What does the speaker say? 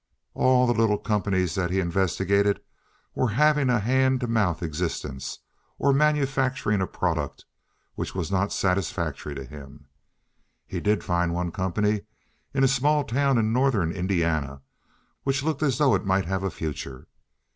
All the little companies that he investigated were having a hand to mouth existence, or manufacturing a product which was not satisfactory to him. He did find one company in a small town in northern Indiana which looked as though it might have a future.